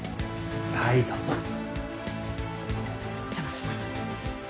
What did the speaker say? お邪魔します。